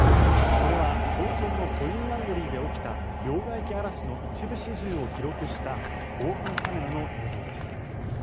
これは早朝のコインランドリーで起きた両替機荒らしの一部始終を記録した防犯カメラの映像です。